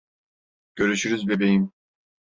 Görüşürüz bebeğim.